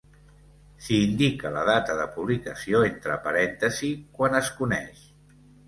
S'hi indica la data de publicació entre parèntesis quan es coneix.